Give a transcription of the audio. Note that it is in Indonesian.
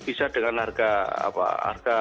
bisa dengan harga